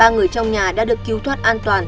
ba người trong nhà đã được cứu thoát an toàn